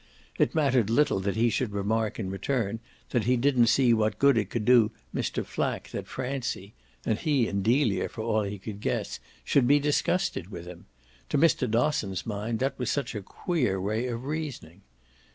It mattered little that he should remark in return that he didn't see what good it could do Mr. Flack that Francie and he and Delia, for all he could guess should be disgusted with him: to Mr. Dosson's mind that was such a queer way of reasoning.